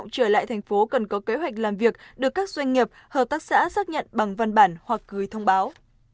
tại tp hcm cần có kế hoạch làm việc được các doanh nghiệp hợp tác xã xác nhận bằng văn bản hoặc gửi thông báo